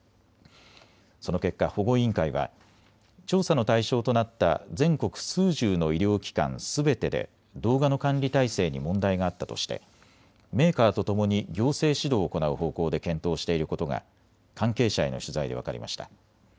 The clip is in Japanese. その結果、保護委員会は調査の対象となった全国数十の医療機関すべてで動画の管理体制に問題があったとしてメーカーとともに行政指導を行う方向で検討していることが関係者への取材で分かりました。